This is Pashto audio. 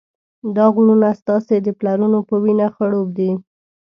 دا غرونه ستاسې د پلرونو په وینه خړوب دي.